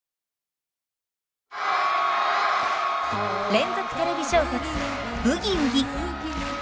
連続テレビ小説「ブギウギ」。